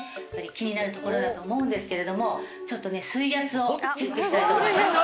気になるところだと思うんですけれどもちょっとね水圧をチェックしたいと思います。